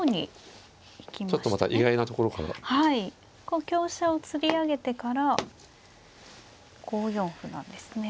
こう香車をつり上げてから５四歩なんですね。